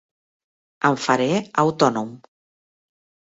Em faré autònom.